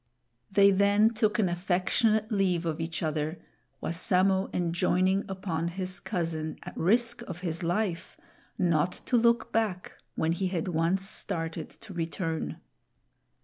They then took an affectionate leave of each other, Wassamo enjoining upon his cousin, at risk of his life, not to look back when he had once started to return.